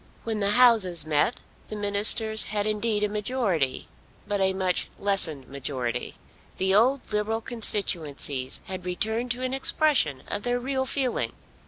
When the Houses met, the Ministers had indeed a majority, but a much lessened majority. The old Liberal constituencies had returned to an expression of their real feeling.